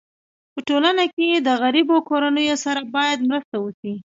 په ټولنه کي د غریبو کورنيو سره باید مرسته وسي.